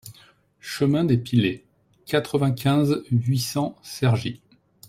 Chemin des Pilets, quatre-vingt-quinze, huit cents Cergy